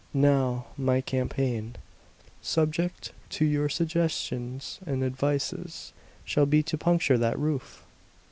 Now, my campaign subject to your suggestions and advices shall be to puncture that roof!"